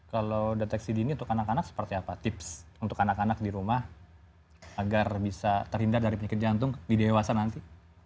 kalau deteksi dini untuk anak anak seperti apa tips untuk anak anak di rumah agar bisa terhindar dari penyakit jantung di dewasa nanti